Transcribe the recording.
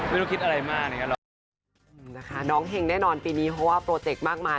ไม่ต้องคิดอะไรมากนะคะน้องแห่งแน่นอนปีนี้เพราะว่าโปรเจคมากมาย